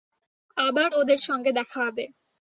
আবার ওদের সঙ্গে দেখা হবে।